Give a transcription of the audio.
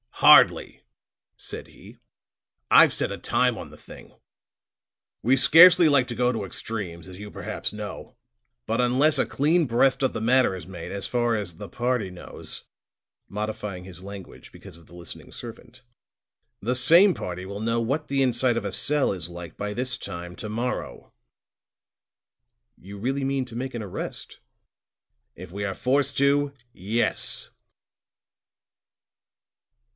"Hardly," said he. "I've set a time on the thing. We scarcely like to go to extremes, as you perhaps know; but unless a clean breast of the matter is made, as far as the party knows," modifying his language because of the listening servant, "the same party will know what the inside of a cell is like by this time to morrow." "You really mean to make an arrest?" "If we are forced to yes."